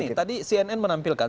ini tadi cnn menampilkan